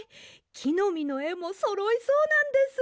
きのみのえもそろいそうなんです。